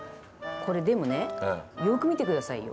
これでもねよく見て下さいよ。